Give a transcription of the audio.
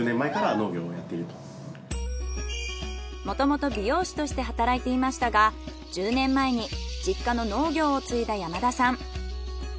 もともと美容師として働いていましたが１０年前に実家の農業を継いだ山田さん。